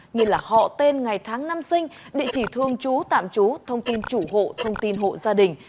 như là họ tên ngày tháng năm sinh địa chỉ thương chú tạm chú thông tin chủ hộ thông tin hộ gia đình